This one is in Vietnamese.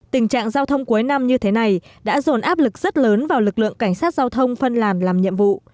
tình trạng giao thông cuối năm như thế này đã dồn áp lực rất lớn vào lực lượng cảnh sát giao thông phân làm làm nhiệm vụ